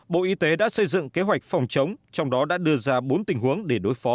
bộ y tế đã xây dựng kế hoạch phòng chống trong đó đã đưa ra bốn tình huống để đối phó